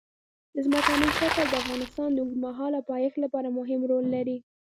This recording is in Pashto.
ځمکنی شکل د افغانستان د اوږدمهاله پایښت لپاره مهم رول لري.